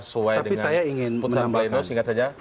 sesuai dengan putusan pleno singkat saja